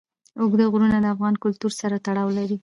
اوږده غرونه د افغان کلتور سره تړاو لري.